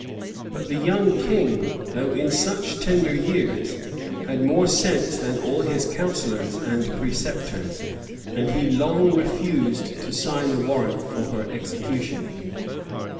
But the young king, though in such tender years, had more sense than all his counsellors and preceptors; and he long refused to sign the warrant for her execution.